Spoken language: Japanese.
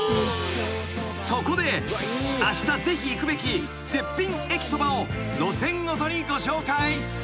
［そこであしたぜひ行くべき絶品駅そばを路線ごとにご紹介］